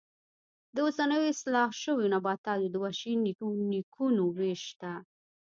د اوسنیو اصلاح شویو نباتاتو د وحشي نیکونو وېش شته.